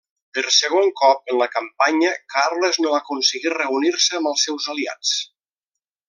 Per segon cop en la campanya Carles no aconseguí reunir-se amb els seus aliats.